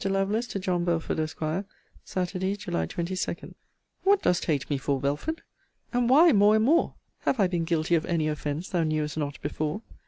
LOVELACE, TO JOHN BELFORD, ESQ. SATURDAY, JULY 22. What dost hate me for, Belford! and why more and more! have I been guilty of any offence thou knewest not before?